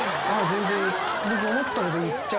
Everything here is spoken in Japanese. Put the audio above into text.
全然。